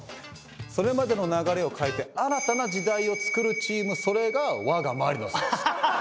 それまでの流れを変えて新たな時代を作るチームそれが我がマリノスなんです。